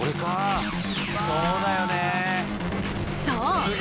そう！